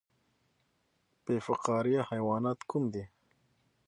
بې فقاریه حیوانات کوم دي؟